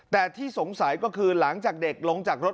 แต่ที่สงสัยก็คือหลังจากเด็กลงจากรถ